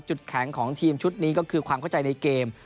แข็งของทีมชุดนี้ก็คือความเข้าใจในเกม